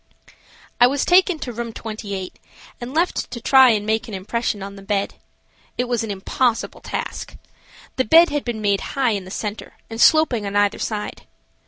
I was taken to room 28 and left to try and make an impression on the bed. It was an impossible task. The bed had been made high in the center and sloping on either side.